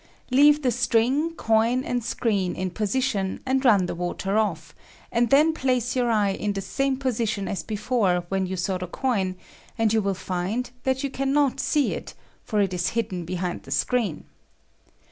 Leave the string, coin, and screen in posi tion, and run the water off, and then place your eye in the same position as before when you saw the coin and you will find that you cannot see it, for it is hidden behind the screen.